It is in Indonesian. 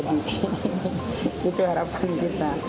jadi itu harapan kita